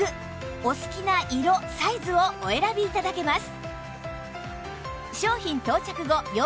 お好きな色サイズをお選び頂けます